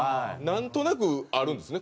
なんとなくあるんですね。